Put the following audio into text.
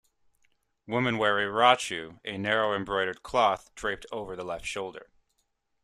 Women wear a "rachu", a narrow embroidered cloth draped over the left shoulder.